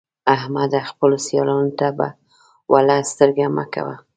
احمده! خپلو سيالانو ته په وړه سترګه مه ګوه.